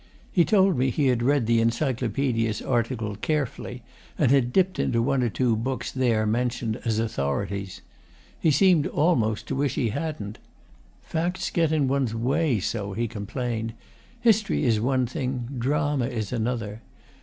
He told me he had read the Encyclopedia's article carefully, and had dipped into one or two of the books there mentioned as authorities. He seemed almost to wish he hadn't. 'Facts get in one's way so,' he complained. 'History is one thing, drama is another.